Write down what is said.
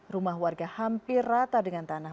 rumah warga hampir rata dengan tanah